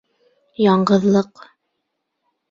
Яңғыҙлыҡ!